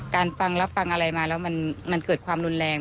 ฟังรับฟังอะไรมาแล้วมันเกิดความรุนแรง